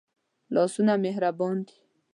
لاسونه مهربان دي